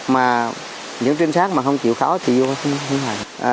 mà những trinh sát mà không chịu khó thì vô đó không làm